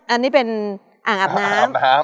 อันนี้เป็นอ่างอาบน้ำ